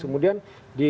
kemudian di goa